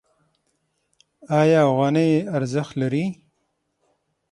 آیا افغانۍ ارزښت لري؟